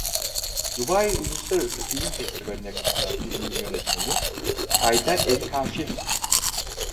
Dubai Uluslararası Film Festivali'ne katılan filmin yönetmeni Ayda El-Kaşef'ti.